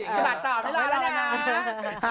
สะบัดต่อไม่รอแล้วนะ